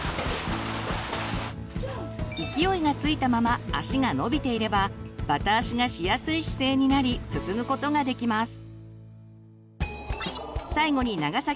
勢いがついたまま足が伸びていればバタ足がしやすい姿勢になり進むことができます。